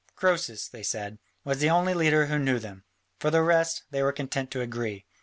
Croesus, they said, was the only leader who knew them; for the rest, they were content to agree.